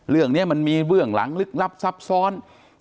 เรื่องนี้มันมีเบื้องหลังลึกลับซับซ้อน